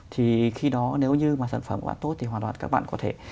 thì khi đó nếu như mà sản phẩm của bạn tốt thì hoàn toàn các bạn có thể